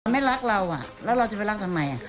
ไม่รักเราแล้วเราจะไปรักทำไม